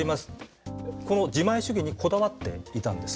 この自前主義にこだわっていたんです。